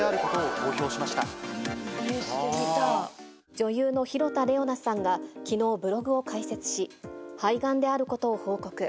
女優の広田レオナさんが昨日ブログを開設し肺がんであることを報告。